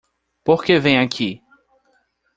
Por que vem aqui?